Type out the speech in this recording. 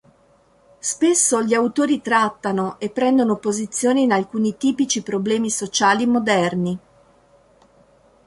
Spesso gli autori trattano e prendono posizione in alcuni tipici problemi sociali moderni.